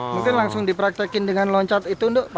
mungkin langsung dipraktekin dengan loncat itu dok